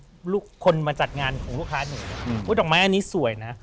ลูกคนมาจัดงานของลูกค้าหนูดอกไม้อันนี้สวยนะ